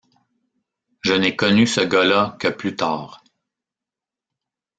Je n'ai connu ce gars-là que plus tard.